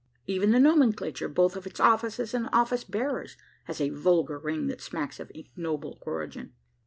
Even the nomenclature, both of its offices and office bearers, has a vulgar ring that smacks of ignoble origin.